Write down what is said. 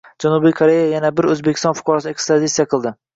Janubiy Koreya yana bir O‘zbekiston fuqarosini ekstraditsiya qildi